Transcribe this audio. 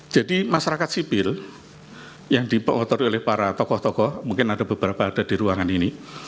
masyarakat sipil yang dipotori oleh para tokoh tokoh mungkin ada beberapa ada di ruangan ini